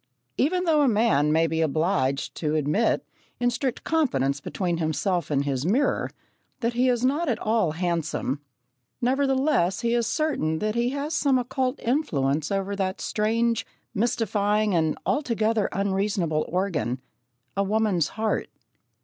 Even though a man may be obliged to admit, in strict confidence between himself and his mirror, that he is not at all handsome, nevertheless he is certain that he has some occult influence over that strange, mystifying, and altogether unreasonable organ a woman's heart.